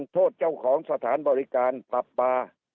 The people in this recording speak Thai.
ทดเจ้าของสถานบริการปรับบาร์